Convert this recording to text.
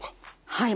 はい。